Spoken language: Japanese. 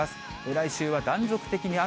来週は断続的に雨。